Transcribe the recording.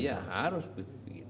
iya harus begitu